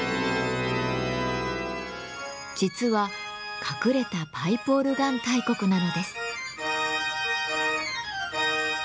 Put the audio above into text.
実は隠れた「パイプオルガン大国」なのです。